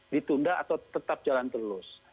ditunda atau tetap jalan terus